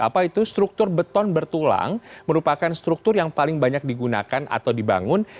apa itu struktur beton bertulang merupakan struktur yang paling banyak digunakan atau dibangun